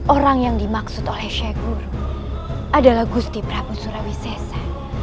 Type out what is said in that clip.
orang yang dimaksud oleh syekh guri adalah gusti prabu surawisesa